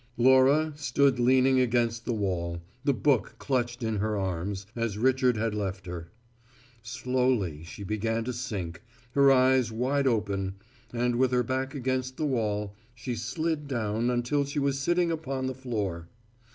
Laura stood leaning against the wall, the book clutched in her arms, as Richard had left her. Slowly she began to sink, her eyes wide open, and, with her back against the wall, she slid down until she was sitting upon the floor.